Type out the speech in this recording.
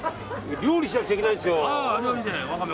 料理しなくちゃいけないんですよ。